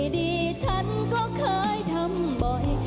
ดีฉันก็เคยทำบ่อย